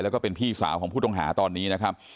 แล้วก็เป็นพี่สาวของผู้ต้องหาตอนนี้นะครับ